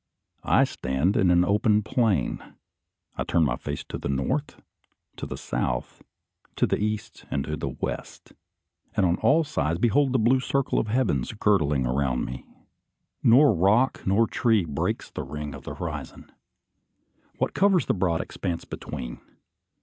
I stand in an open plain. I turn my face to the north, to the south, to the east, and to the west; and on all sides behold the blue circle of the heavens girdling around me. Nor rock, nor tree, breaks the ring of the horizon. What covers the broad expanse between?